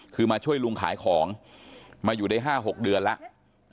คือมาช่วยลุงขายของมาอยู่ได้๕๖เดือนแล้ว